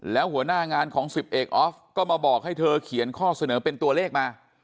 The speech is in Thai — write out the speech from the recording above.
แล้วหัวหน้างานของ๑๐เอกออฟก็มาบอกให้เธอเขียนข้อเสนอเป็นตัวเลขมา